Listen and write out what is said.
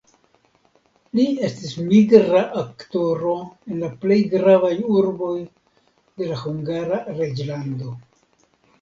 Li estis migra aktoro en la plej gravaj urboj de la Hungara reĝlando.